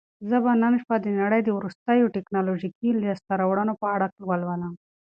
زه به نن شپه د نړۍ د وروستیو ټیکنالوژیکي لاسته راوړنو په اړه ولولم.